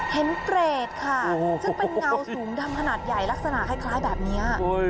เกรดค่ะซึ่งเป็นเงาสูงดำขนาดใหญ่ลักษณะคล้ายแบบนี้